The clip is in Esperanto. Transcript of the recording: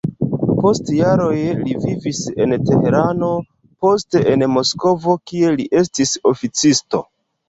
Post jaroj li vivis en Teherano, poste en Moskvo, kie li estis oficisto.